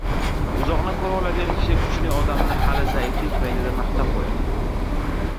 — Uzoqni ko‘ra oladigan kishi kuchli odamni hali zaiflik paytida maqtab qo‘yadi.